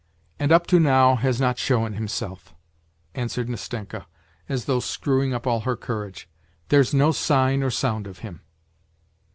" And up to now has not shown himself !" answered Nastenka, as though screwing up all her courage. " There's no sign or sound of him."